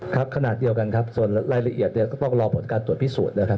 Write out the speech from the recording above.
ครับขนาดเดียวกันครับส่วนรายละเอียดเนี่ยก็ต้องรอผลการตรวจพิสูจน์นะครับ